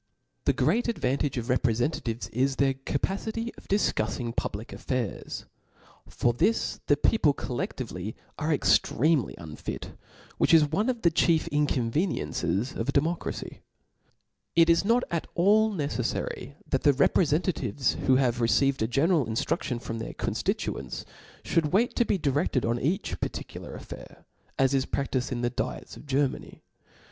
The great advantage of rtprefentatives is their capacity of difcuffing public affairs. For this the people coUefltvely are extremely unfit, which is one of the; chief inconveniences^ of a demo cracy^ It is not at all necefTary that the reprcfentatives who have received a general inftrudion from their conftituents, (hould wait to be direfted on each particular affair, as is praftifed in the diets of Ger many.